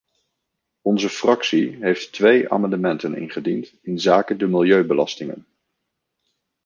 Onze fractie heeft twee amendementen ingediend inzake de milieubelastingen.